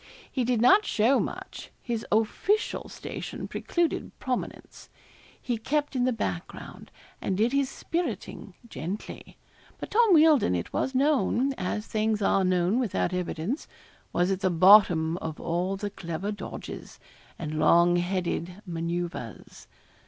He did not show much; his official station precluded prominence. He kept in the background, and did his spiriting gently. But Tom Wealdon, it was known as things are known without evidence was at the bottom of all the clever dodges, and long headed manoeuvres.